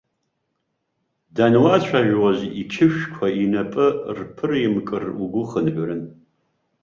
Дануацәажәоз иқьышәқәа инапы рԥыраимкыр, угәы хынҳәрын.